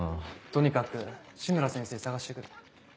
とにかく志村先生捜して来る。